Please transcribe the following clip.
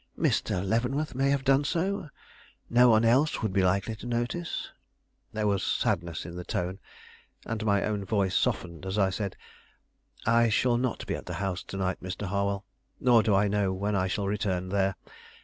"Mr. Leavenworth may have done so; no one else would be likely to notice." There was sadness in the tone, and my own voice softened as I said: "I shall not be at the house to night, Mr. Harwell; nor do I know when I shall return there.